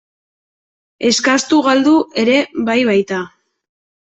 Eskastu galdu ere bai baita.